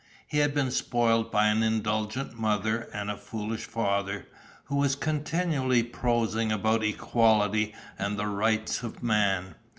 He had been spoiled by an indulgent mother and a foolish father, who was continually prosing about "equality and the rights of man."